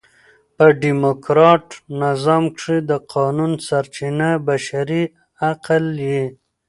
په ډیموکراټ نظام کښي د قانون سرچینه بشري عقل يي.